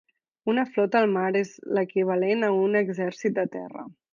Una flota al mar és l'equivalent a un exèrcit de terra.